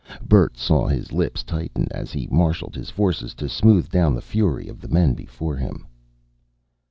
Bert saw his lips tighten, as he marshalled his forces to smooth down the fury of the men before him.